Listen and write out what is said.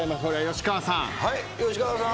吉川さん。